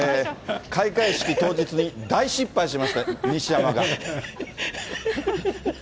開会式当日に大失敗しました、西山が。